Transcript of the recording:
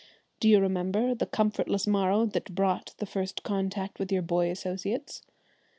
Do you remember the comfortless morrow that brought the first contact with your boy associates?